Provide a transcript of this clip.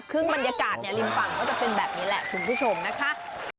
ซึ่งบรรยากาศริมฝั่งก็จะเป็นแบบนี้แหละคุณผู้ชมนะคะ